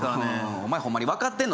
お前ホンマに分かってんの？